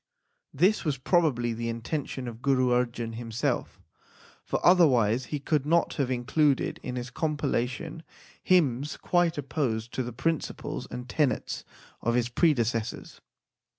This was probably the intention of Guru Arjan himself, for otherwise he could not have included in his compilation hymns quite opposed to the principles and tenets of his predecessors.